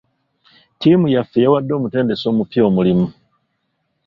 Ttiimu yaffe yawadde omutendesi omupya omulimu.